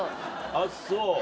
あっそう。